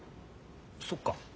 そっか。